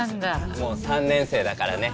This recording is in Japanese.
もう３年生だからね。